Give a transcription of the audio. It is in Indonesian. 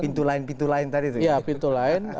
pintu lain pintu lain tadi